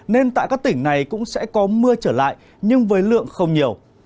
nên tại các tỉnh này cũng sẽ có mưa trở lại nhưng với lượng không nhiều